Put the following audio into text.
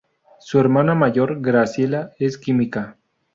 Su hermana mayor, Graciela, es química.